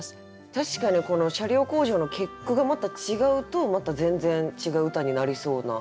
確かにこの「車両工場」の結句がまた違うとまた全然違う歌になりそうな。